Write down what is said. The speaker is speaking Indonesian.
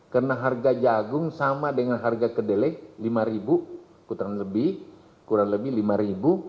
karena harga jagung sama dengan harga kedelai lima ribu kurang lebih lima ribu